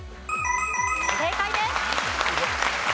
正解です！